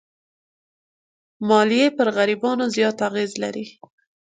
مالیې پر غریبانو زیات اغېز لري.